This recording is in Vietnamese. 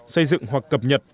xây dựng hoặc cập nhật